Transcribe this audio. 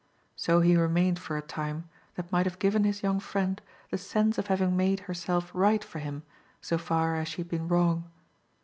So he remained for a time that might have given his young friend the sense of having made herself right for him so far as she had been wrong.